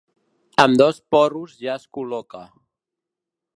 Amb dos porros ja es col·loca.